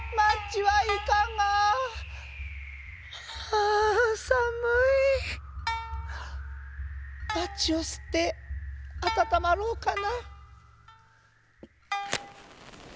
あぁさむい。マッチをすってあたたまろうかな。